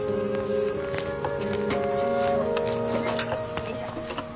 よいしょ。